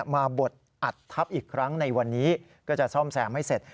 บดอัดทับอีกครั้งในวันนี้ก็จะซ่อมแซมให้เสร็จ